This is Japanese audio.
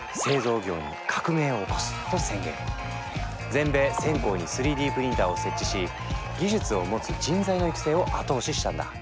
全米１０００校に３Ｄプリンターを設置し技術を持つ人材の育成を後押ししたんだ。